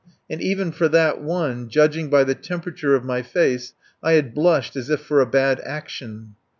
And even for that one, judging by the temperature of my face, I had blushed as if for a bad action.